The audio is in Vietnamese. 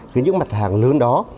cái những mặt hàng lớn đó